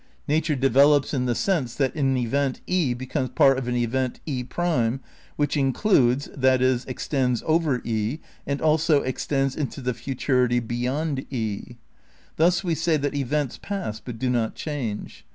Nature develops in the sense that an event e becomes part of an event 6 which includes (i. e. extends over e) and also extends into the futurity beyond e. ... Thus we say that events pass but do not change.